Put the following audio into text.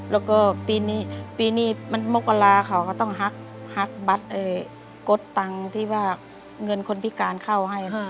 แล้วก็ปีนี้ปีนี้มันมกราเขาก็ต้องหักบัตรกดตังค์ที่ว่าเงินคนพิการเข้าให้